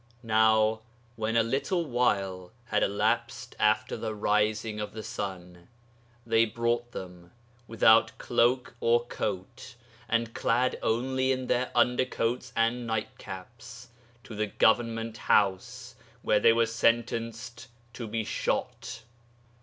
'Now when a little while had elapsed after the rising of the sun, they brought them, without cloak or coat, and clad only in their undercoats and nightcaps, to the Government House, where they were sentenced to be shot.